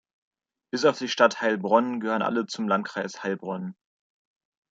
Bis auf die Stadt Heilbronn gehören alle zum Landkreis Heilbronn.